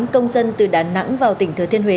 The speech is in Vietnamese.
tám công dân từ đà nẵng vào tỉnh thừa thiên huế